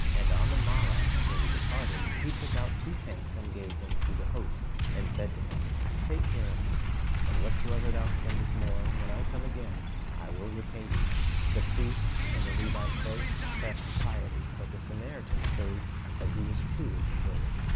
And on the morrow when he departed, he took out two pence, and gave them to the host, and said unto, him, Take care of him; and whatsoever thou spendest more, when I come again, I will repay thee." The priest and the Levite both professed piety, but the Samaritan showed that he was truly converted.